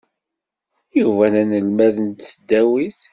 Yuba d anelmad n tesdawit.